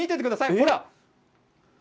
ほら。